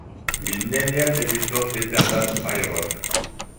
Vi neniel evitos eternan fajron!